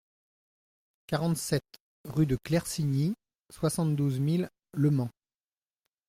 quarante-sept rue de Claircigny, soixante-douze mille Le Mans